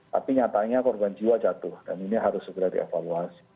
tapi nyatanya korban jiwa jatuh dan ini harus segera dievaluasi